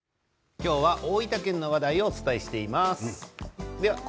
今日は大分県の話題をお伝えしています。